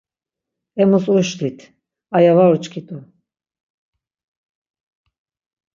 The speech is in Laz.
Emus uşlit, aya var uçkit̆u.